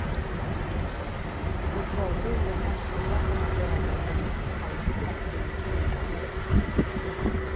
Difrodwyd y rhan fwyaf o'r awyrennau ymladd a oedd yn perthyn i'r llu awyr.